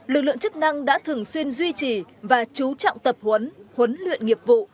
lực lượng chức năng đã thường xuyên duy trì và chú trọng tập huấn huấn luyện nghiệp vụ